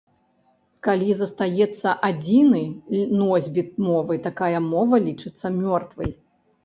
Калі застаецца адзіны носьбіт мовы, такая мова лічыцца мёртвай.